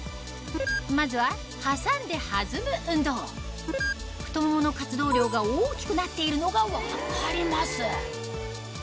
まずは挟んで弾む運動太ももの活動量が大きくなっているのが分かります